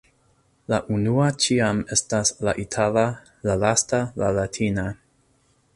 La unua ĉiam estas la itala, la lasta la latina.